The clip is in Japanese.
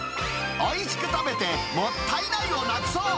おいしく食べて、もったいないをなくそう！